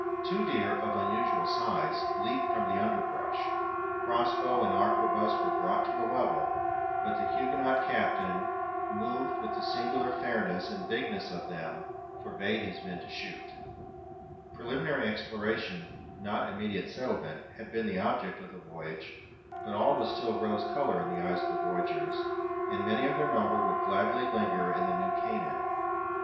Two deer, of unusual size, leaped from the underbrush. Cross bow and arquebuse were brought to the level; but the Huguenot captain, "moved with the singular fairness and bigness of them," forbade his men to shoot. Preliminary exploration, not immediate settlement, had been the object of the voyage; but all was still rose color in the eyes of the voyagers, and many of their number would gladly linger in the New Canaan.